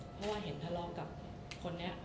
เพราะว่าเห็นทะเลาะกับคนนี้